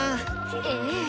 ええ。